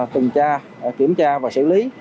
từng tra kiểm tra và xử lý